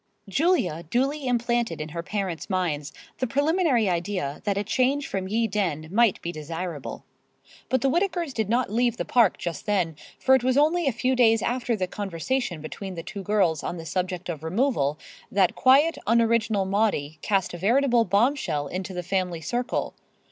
Julia duly implanted in her parents' minds the preliminary idea that a change from Ye Dene might be desirable. But the Whittakers did not leave the Park just then, for it was only a few days after the conversation between the two girls on the subject of removal, that quiet, unoriginal Maudie cast a veritable bombshell into the family circle.